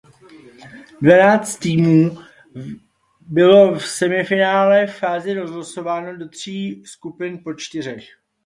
Dvanáct týmů v bylo v semifinálové fázi rozlosováno do tří skupin po čtyřech.